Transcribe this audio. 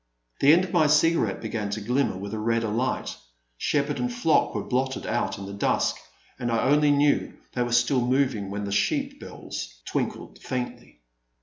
The end of my cigarette began to glimmer with a redder light ; shepherd and flock were blotted out in the dusk, and I only knew they were still moving when the sheep bells tinkled faintly.